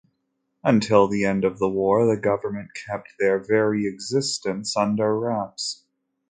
Until the end of the war, the government kept their very existence under wraps.